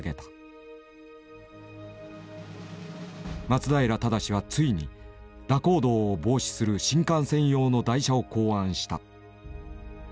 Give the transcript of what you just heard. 松平精はついに蛇行動を防止する新幹線用の台車を考案した。